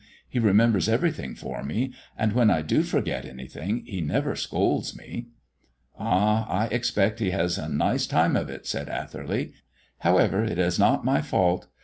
He remembers everything for me, and when I do forget anything he never scolds me." "Ah, I expect he has a nice time of it," said Atherley. "However, it is not my fault.